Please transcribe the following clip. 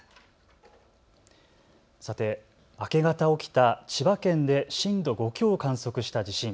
さて明け方起きた千葉県で震度５強を観測した地震。